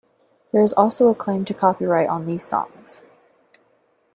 There is also a claim to copyright on these songs.